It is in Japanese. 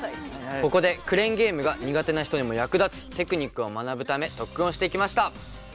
ここで、クレーンゲームが苦手な人にも役立つテクニックを学ぶため特訓してきました。